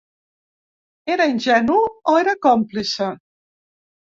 Era ingenu o era còmplice?